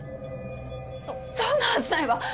そそんなはずないわ！